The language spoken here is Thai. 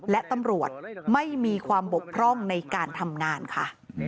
และตำรวจไม่มีความบกพร่องในการทำงานค่ะ